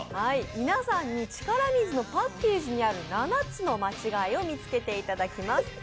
皆さんに力水のパッケージにある７つの間違いを見つけてもらいます